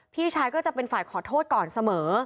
พี่ชายก็จะเป็นฝ่ายขอโทษก่อนเสมอ